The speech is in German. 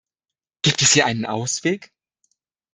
Gibt es hier einen Ausweg?